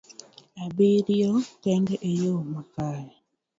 abiriyo kendo e yo makare.